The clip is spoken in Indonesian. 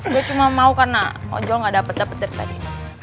gue cuma mau karena ojol gak dapet dapet dari tadi